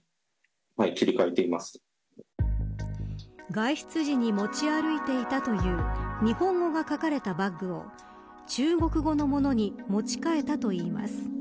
外出時に持ち歩いていたという日本語が書かれたバッグを中国語のものに持ち替えたといいます。